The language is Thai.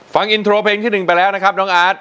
ฟังอินโทรเพลงที่๑ไปแล้วนะครับน้องอาร์ต